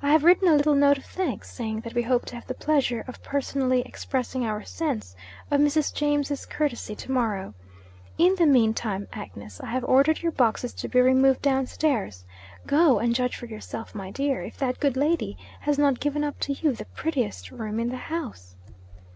I have written a little note of thanks, saying that we hope to have the pleasure of personally expressing our sense of Mrs. James's courtesy to morrow. In the mean time, Agnes, I have ordered your boxes to be removed downstairs. Go! and judge for yourself, my dear, if that good lady has not given up to you the prettiest room in the house!'